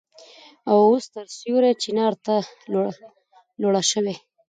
او اوس تر سروې چينار ته لوړه شوې.